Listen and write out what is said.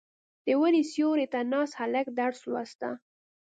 • د ونې سیوري ته ناست هلک درس لوسته.